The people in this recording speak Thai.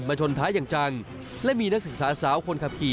ชนท้ายอย่างจังและมีนักศึกษาสาวคนขับขี่